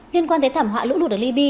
liên quan đến thảm họa lũ lụt ở libby